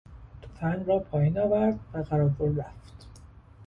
تفنگ را پایین آورد و قراول رفت.